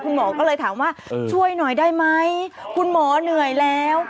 คุณหมอก็เลยถามว่าช่วยหน่อยได้ไหมคุณหมอเหนื่อยแล้ว